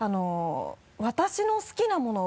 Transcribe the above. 「私の好きなもの